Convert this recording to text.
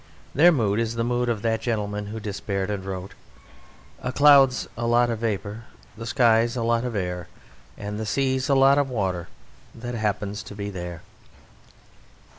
Their mood is the mood of that gentleman who despaired and wrote: A cloud's a lot of vapour, The sky's a lot of air, And the sea's a lot of water That happens to be there.